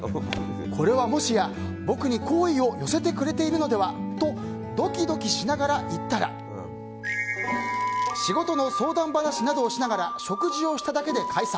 これはもしや、僕に好意を寄せてくれているのではとドキドキしながら行ったら仕事の相談話などをしながら食事をしただけで解散。